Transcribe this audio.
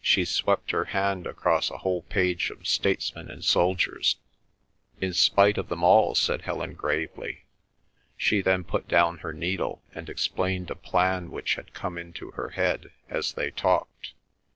She swept her hand across a whole page of statesmen and soldiers. "In spite of them all," said Helen gravely. She then put down her needle, and explained a plan which had come into her head as they talked.